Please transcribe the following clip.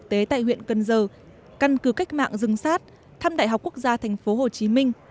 tế tại huyện cần giờ căn cứ cách mạng rừng sát thăm đại học quốc gia thành phố hồ chí minh